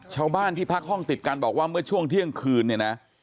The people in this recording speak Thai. ชาวบ้านที่พักห้องติดกันบอกว่าเมื่อช่วงเที่ยงคืนเนี่ยนะ